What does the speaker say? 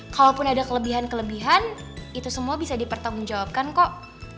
kalaupun ada kelebihan kelebihan itu semua bisa dipertanggungjawabkan kok